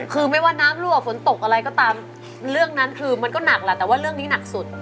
คือไม่ว่าน้ำรั่วฝนตกอะไรก็ตามเรื่องนั้นคือมันก็หนักแหละแต่ว่าเรื่องนี้หนักสุด